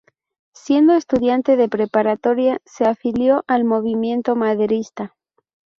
Siendo estudiante de preparatoria se afilió al movimiento maderista.